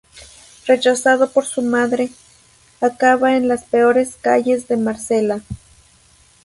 Rechazado por su madre, acaba en las peores calles de Marsella.